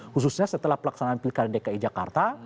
khususnya setelah pelaksanaan pilkada dki jakarta